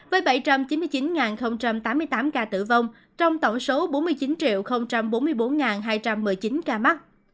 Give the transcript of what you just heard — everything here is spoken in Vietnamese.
với bảy trăm chín mươi chín tám mươi tám ca tử vong trong tổng số bốn mươi chín bốn mươi bốn hai trăm một mươi chín ca mắc